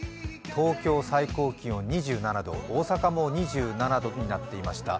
東京、最高気温２７度、大阪も２７度になっていました。